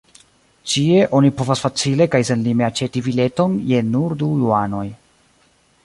Ĉie oni povas facile kaj senlime aĉeti bileton je nur du juanoj.